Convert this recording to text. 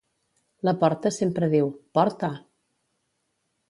La porta sempre diu: porta!